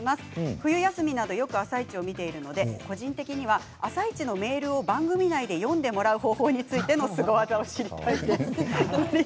冬休みなど、よく「あさイチ」を見ているので個人的には「あさイチ」のメールを番組内で読んでもらう方法についてのスゴ技を知りたいですということです。